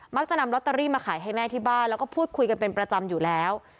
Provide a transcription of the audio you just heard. จะนำลอตเตอรี่มาขายให้แม่ที่บ้านแล้วก็พูดคุยกันเป็นประจำอยู่แล้ว